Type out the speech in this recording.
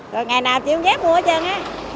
rồi ngày nào chị không dám mua hết trơn